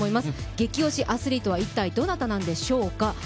激推しアスリートは一体どなたなんでしょうか。